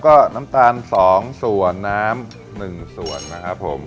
ก็น้ำตาล๒ส่วนน้ำ๑ส่วนนะครับผม